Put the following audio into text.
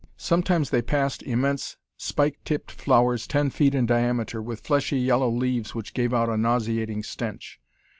Sometimes they passed immense spike tipped flowers ten feet in diameter, with fleshy yellow leaves which gave out a nauseating stench.